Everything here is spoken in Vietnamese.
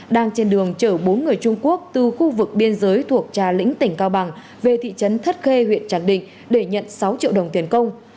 đang trên đường chở bốn người trung quốc từ khu vực biên giới thuộc trà lĩnh tỉnh cao bằng về thị trấn thất khê huyện tràng định để nhận sáu triệu đồng tiền công